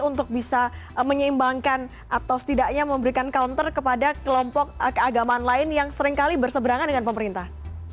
untuk bisa menyeimbangkan atau setidaknya memberikan counter kepada kelompok keagamaan lain yang seringkali berseberangan dengan pemerintah